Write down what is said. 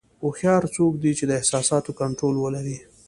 هوښیار څوک دی چې د احساساتو کنټرول ولري.